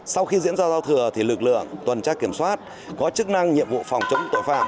sau khi diễn ra giao thừa thì lực lượng tuần tra kiểm soát có chức năng nhiệm vụ phòng chống tội phạm